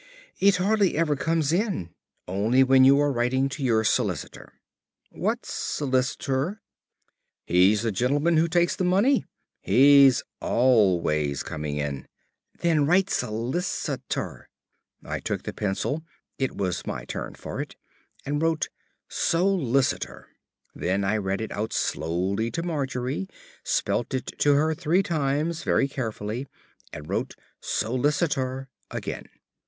"It hardly ever comes in. Only when you are writing to your solicitor." "What's 'solicitor'?" "He's the gentleman who takes the money. He's always coming in." "Then write 'solicitor.'" I took the pencil (it was my turn for it) and wrote SOLICITOR. Then I read it out slowly to Margery, spelt it to her three times very carefully, and wrote SOLICITOR again.